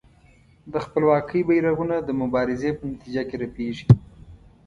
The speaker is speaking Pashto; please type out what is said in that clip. د خپلواکۍ بېرغونه د مبارزې په نتیجه کې رپېږي.